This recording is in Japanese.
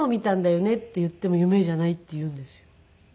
って言っても「夢じゃない」って言うんですよ。